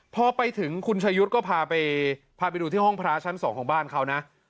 พอไปถึงคุณชายุทธ์ก็พาไปพาไปดูที่ห้องพระชั้น๒ของบ้านเขานะ